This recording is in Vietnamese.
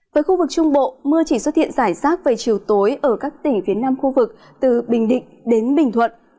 với khu vực trung bộ mưa chỉ xuất hiện rải rác về chiều tối ở các tỉnh phía nam khu vực từ bình định đến bình thuận